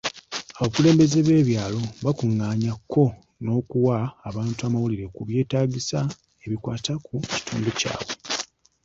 Abakulembeze b'ebyalo bakungaanya kko n'okuwa abantu amawulire ku byeetaagisa ebikwata ku kitundu kyabwe.